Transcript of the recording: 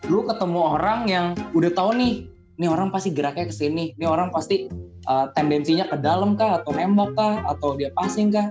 lu ketemu orang yang udah tau nih ini orang pasti geraknya kesini nih orang pasti tendensinya ke dalam kah atau nemok kah atau dia passing kah